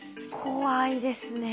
怖いですね。